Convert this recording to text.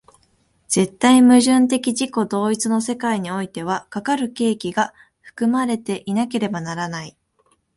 絶対矛盾的自己同一の世界においては、かかる契機が含まれていなければならない。